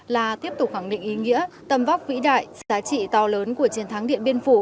là tiếp tục khẳng định ý nghĩa tầm vóc vĩ đại giá trị to lớn của chiến thắng điện biên phủ